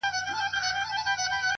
دا لکه ماسوم ته چي پېښې کوې;